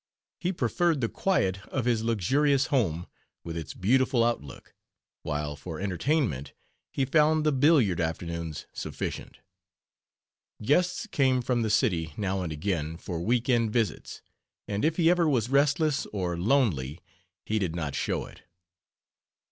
He preferred the quiet of his luxurious home with its beautiful outlook, while for entertainment he found the billiard afternoons sufficient. Guests came from the city, now and again, for week end visits, and if he ever was restless or lonely he did not show it.